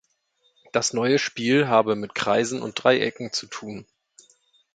Das neue Spiel habe mit Kreisen und Dreiecken zu tun.